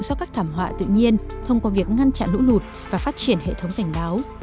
do các thảm họa tự nhiên thông qua việc ngăn chặn lũ lụt và phát triển hệ thống cảnh báo